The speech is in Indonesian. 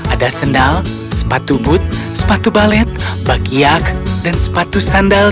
ada sendal sepatu but sepatu balet bakiak dan sepatu sandal